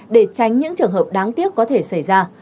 để tránh những trường hợp đáng tiếc có thể xảy ra